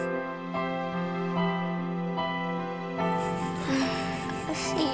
mereka takut sama warga itu